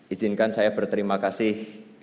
izinkan saya berterima kasih